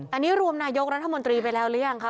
อันนี้รวมนายกรัฐมนตรีไปแล้วหรือยังคะ